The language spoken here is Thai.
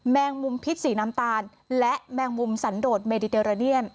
แมงมุมพิษสีน้ำตาลและแมงมุมสันโดดเมดิเดราเนียน